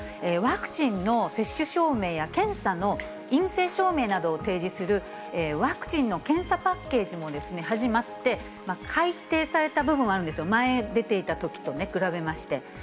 ワクチンの接種証明や検査の陰性証明などを提示する、ワクチンの検査パッケージも始まって、改定された部分もあるんですよ、前出ていたときと比べまして。